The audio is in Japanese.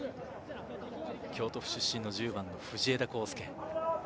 京都府出身の１０番の藤枝康佑。